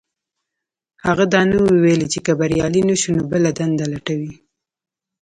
هغه دا نه وو ويلي چې که بريالی نه شو نو بله دنده لټوي.